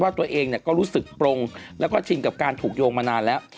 ตัวเองก็รู้สึกปรงแล้วก็ชินกับการถูกโยงมานานแล้ว